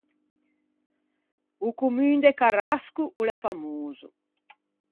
O commun de Carasco o l'é famoso.